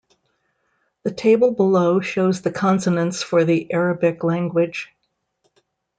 The table below shows the consonants for the Arabic language.